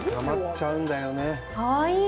かわいい。